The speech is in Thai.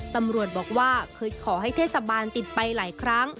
ตำรวจบอกว่าเคยขอให้เทศบาลติดไปหลายครั้ง